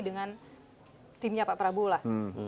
dengan timnya pak prabowo lah